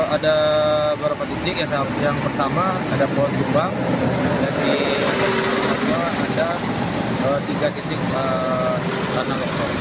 ada beberapa titik yang pertama ada pohon tumbang jadi ada tiga titik tanah longsor